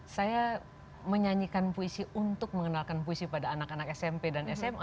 saya menyanyikan puisi untuk mengenalkan puisi pada anak anak smp dan sma